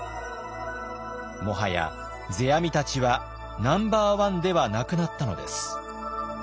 もはや世阿弥たちはナンバーワンではなくなったのです。